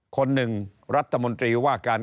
คนหนึ่งรัฐมนตรีว่าการ